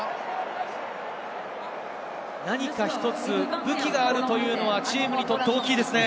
何か１つ、武器があるというのは、チームにとって大きいですね。